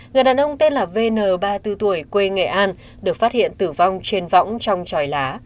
người đàn ông tên là vn ba mươi bốn tuổi quê nghệ an được phát hiện tử vong trên võng trong tròi lá